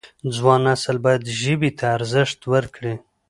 ځوان نسل باید ژبې ته ارزښت ورکړي.